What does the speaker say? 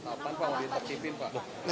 apaan pak mau ditertipin pak